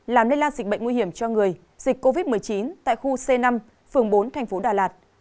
làm lây lan dịch bệnh nguy hiểm cho người dịch covid một mươi chín tại khu c năm phường bốn thành phố đà lạt